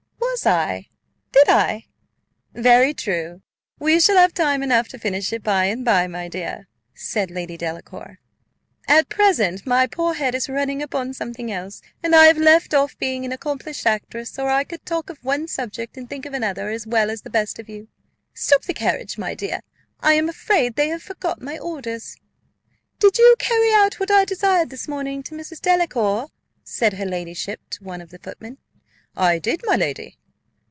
"Was I? did I? Very true, we shall have time enough to finish it by and by, my dear," said Lady Delacour; "at present my poor head is running upon something else, and I have left off being an accomplished actress, or I could talk of one subject and think of another as well as the best of you. Stop the carriage, my dear; I am afraid they have forgot my orders." "Did you carry what I desired this morning to Mrs. Delacour?" said her ladyship to one of the footmen. "I did, my lady."